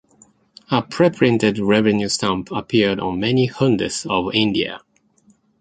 A pre-printed revenue stamp appeared on many hundis of India.